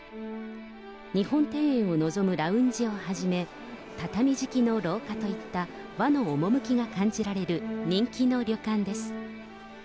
日本庭園を望むラウンジをはじめ、畳敷きの廊下といった和の趣が感じられる人気の旅館です。